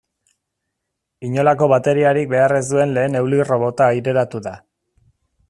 Inolako bateriarik behar ez duen lehen eulirrobota aireratu da.